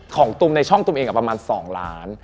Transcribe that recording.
ตุมในช่องตุมเองประมาณ๒ล้าน